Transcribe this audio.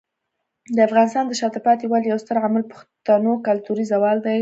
د افغانستان د شاته پاتې والي یو ستر عامل پښتنو کلتوري زوال دی.